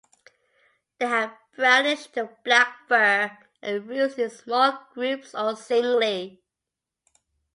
They have brownish to black fur, and roost in small groups, or singly.